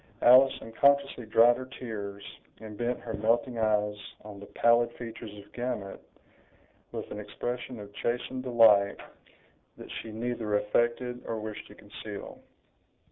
Alice unconsciously dried her tears, and bent her melting eyes on the pallid features of Gamut, with an expression of chastened delight that she neither affected or wished to conceal.